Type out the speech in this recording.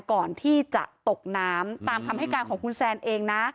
ก่อนที่จะตกน้ำตามคำให้การของคุณแซนเองนะ